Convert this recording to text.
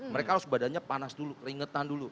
mereka harus badannya panas dulu keringetan dulu